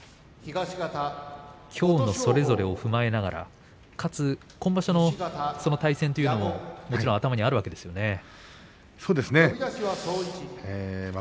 きょうもそれぞれを踏まえながらかつ今場所の対戦というのももちろん頭にあるわけですよね。